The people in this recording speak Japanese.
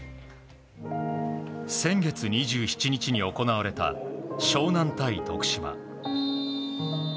先月２７日に行われた湘南対徳島。